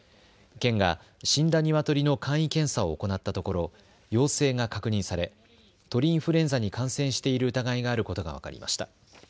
県が死んだニワトリの簡易検査を行ったところ陽性が確認され鳥インフルエンザに感染している疑いがあることが分かりました。